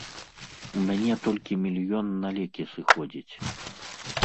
У мяне толькі мільён на лекі сыходзіць.